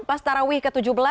pas tarawih ke tujuh belas